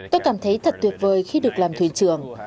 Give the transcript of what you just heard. tôi cảm thấy thật tuyệt vời khi được làm thuyền trường